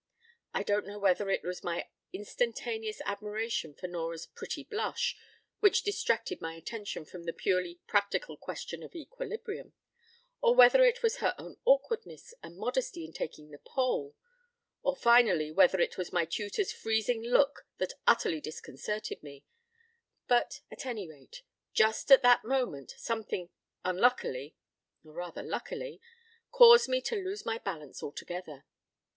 I don't know whether it was my instantaneous admiration for Nora's pretty blush, which distracted my attention fromthe purely practical question of equilibrium, or whether it was her own awkwardness and modesty in taking the pole, or finally whether it was my tutor's freezing look that utterly disconcerted me, but at any rate, just at that moment, something unluckily (or rather luckily) caused me to lose my balance altogether.